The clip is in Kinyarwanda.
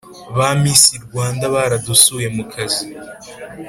ba miss rwanda baradusuye mu kazi